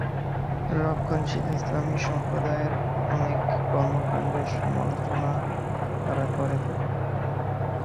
রক্ষণশীল ইসলামী সম্প্রদায়ের অনেক কর্মকাণ্ডের সমালোচনা তারা করে থাকে।